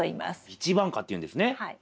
一番果っていうんですねはい。